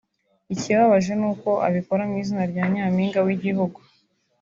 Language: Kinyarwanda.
ikibabaje ni uko abikora mu izina rya Nyampinga w’igihugu